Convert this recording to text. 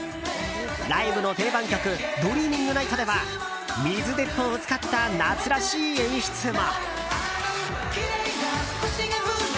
ライブの定番曲「ＤｒｅａｍｉｎｇＮｉｇｈｔ」では水鉄砲を使った夏らしい演出も。